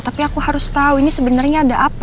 tapi aku harus tau ini sebenernya ada apa